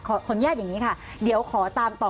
ขออนุญาตอย่างนี้ค่ะเดี๋ยวขอตามต่อ